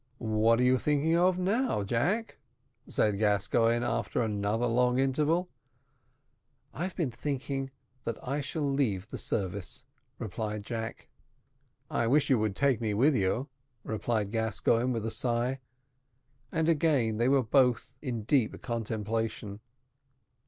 "What are you thinking of now, Jack?" said Gascoigne, after another long interval. "I've been thinking that I shall leave the service," replied Jack. "I wish you would take me with you," replied Gascoigne, with a sigh; and again they were both in deep contemplation.